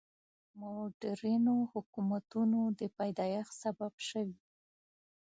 مډرنو حکومتونو د پیدایښت سبب شوي.